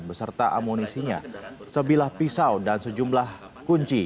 beserta amunisinya sebilah pisau dan sejumlah kunci